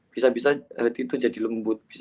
bisa bisa itu jadi lembut